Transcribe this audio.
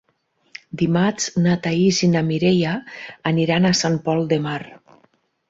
Dimarts na Thaís i na Mireia aniran a Sant Pol de Mar.